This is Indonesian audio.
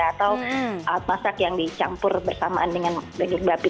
atau masak yang dicampur bersamaan dengan daging bapi